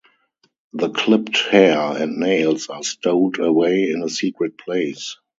The clipped hair and nails are stowed away in a secret place.